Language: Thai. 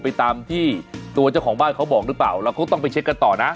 ไปตามที่ตัวเจ้าของบ้านเขาบอกหรือเปล่าเราก็ต้องไปเช็คกันต่อนะ